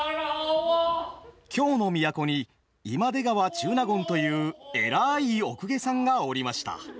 京の都に今出川中納言という偉いお公家さんがおりました。